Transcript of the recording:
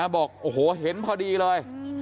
บอกโอ้โหเห็นพอดีเลย